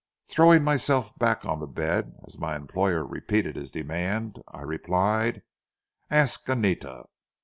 Throwing myself back on the bed, as my employer repeated his demand, I replied, "Ask Anita."